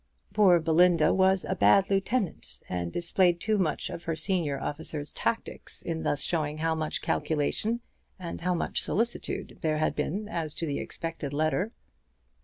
Poor Belinda was a bad lieutenant, and displayed too much of her senior officer's tactics in thus showing how much calculation and how much solicitude there had been as to the expected letter.